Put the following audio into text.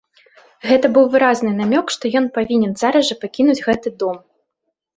Гэта быў выразны намёк, што ён павінен зараз жа пакінуць гэты дом.